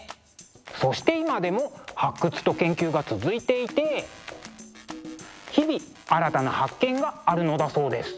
そして今でも発掘と研究が続いていて日々新たな発見があるのだそうです。